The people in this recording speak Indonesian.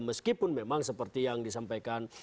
meskipun memang seperti yang disampaikan